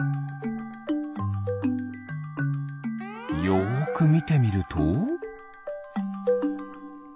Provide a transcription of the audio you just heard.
よくみてみると。